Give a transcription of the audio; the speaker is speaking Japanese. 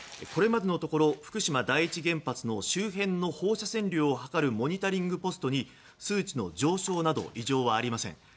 これまでのところ福島第一原発の周辺の放射線量を測るモニタリングポストに数値の上昇など異常はありません。